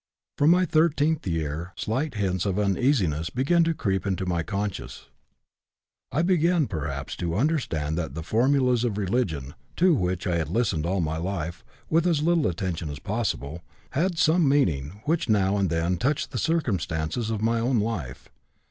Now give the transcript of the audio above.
From my thirteenth year slight hints of uneasiness began to creep into my conscience. I began perhaps to understand that the formulas of religion, to which I had listened all my life with as little attention as possible, had some meaning which now and then touched the circumstances of my own life.